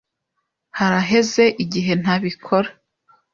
Haraheze igihe ntabikora.